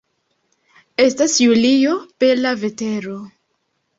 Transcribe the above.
Estas julio, bela vetero.